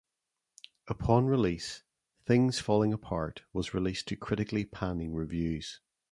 Upon release, "Things Falling Apart" was released to critically panning reviews.